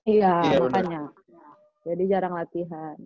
iya makanya jadi jarang latihan